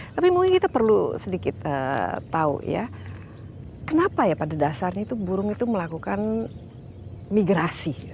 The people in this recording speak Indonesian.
tapi mungkin kita perlu sedikit tahu ya kenapa ya pada dasarnya itu burung itu melakukan migrasi